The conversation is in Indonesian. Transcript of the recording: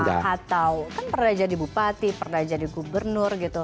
atau kan pernah jadi bupati pernah jadi gubernur gitu